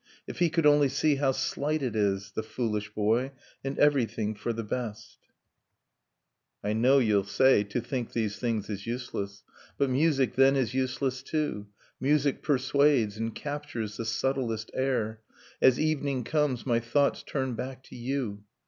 If he could only see how slight it is, The foolish boy ! and everything for the best ...) I know you'll say *to think these things is useless ;' But music, then, is useless too. Music persuades and captures the subtlest air. .. As evening comes, my thoughts turn back to you.